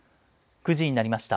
９時になりました。